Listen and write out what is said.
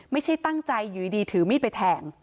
ไม่ใช่ตั้งใจอยู่ดีถือมีดไปแทง